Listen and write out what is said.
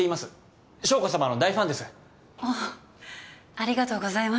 ありがとうございます。